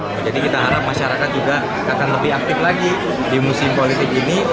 jadi kita harap masyarakat juga akan lebih aktif lagi di musim politik ini